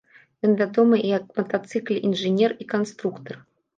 Ён вядомы як матацыкле інжынер і канструктар.